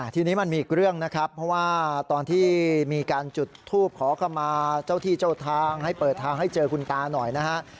ทีนี้มันมีอีกเรื่องนะครับเพราะว่าตอนที่มีการจุดทูปขอเข้ามาเจ้าที่เจ้าทางให้เปิดทางให้เจอคุณตาหน่อยนะฮะ